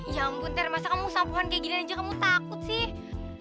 ya ampun ter masa kamu usah puan kayak gini aja kamu takut sih